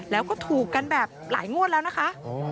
แล้วก็ถูกกันแบบหลายงวดแล้วนะคะ